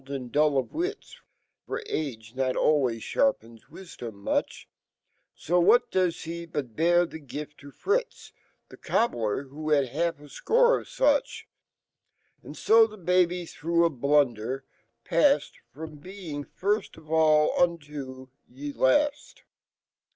and dull of wits, Forage not alway? ^harpenswiidomimuch, ^o what does he but bear y e gift to Fritz Y e cobbler, who had half a $c ore of such. And joyebeiby, through a blunder, pajjed From being first of all, unto y^last.